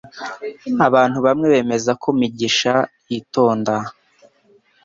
Abantu bamwe bemeza ko Mugisha yitonda